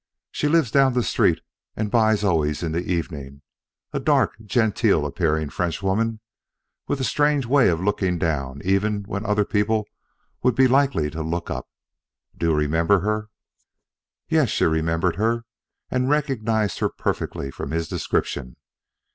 She lives down the street and buys always in the evening a dark, genteel appearing Frenchwoman, with a strange way of looking down even when other people would be likely to look up. Do you remember her?" Yes, she remembered her and recognized her perfectly from this description.